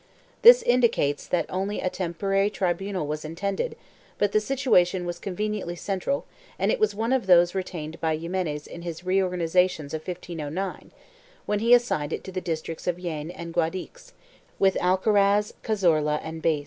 This indicates that only a temporary tribunal was intended but the sit uation was conveniently central and it was one of those retained by Ximenes in his reorganization of 1509, when he assigned to it the dis tricts of Jaen and Guadix, with Alcaraz, Cazorla and Beas.